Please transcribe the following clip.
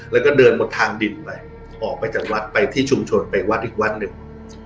แล้วก็เดินบนทางดินไปออกไปจากวัดไปที่ชุมชนไปวัดอีกวัดหนึ่ง